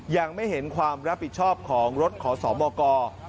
ยังไม่เห็นความรับผิดชอบของรถขอสมก